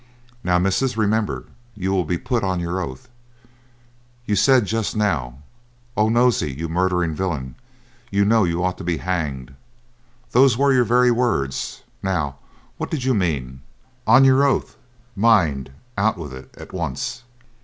"Now, missus, remember you will be put on your oath. You said just now, 'Oh, Nosey, you murdering villain, you know you ought to be hanged.' Those were your very words. Now what did you mean? On your oath, mind; out with it at once."